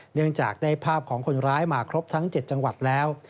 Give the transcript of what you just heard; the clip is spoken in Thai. เนื่องจากได้ภาพของคนร้ายมาครบทั้ง๗จังหวัดแล้ว